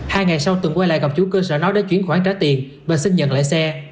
hai ngày sau tường quay lại gặp chú cơ sở nó để chuyển khoản trả tiền và xin nhận lại xe